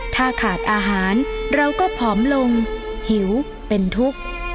ถ้าขาดอาหารเราก็ผอมลงหิวเป็นทุกข์